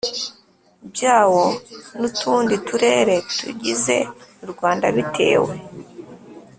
byawo mu tundi Turere tugize u Rwanda bitewe